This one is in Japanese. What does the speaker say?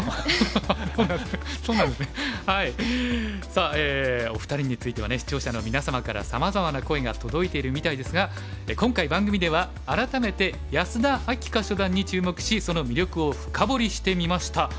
さあお二人についてはね視聴者の皆様からさまざまな声が届いているみたいですが今回番組では改めて安田明夏初段に注目しその魅力を深掘りしてみました。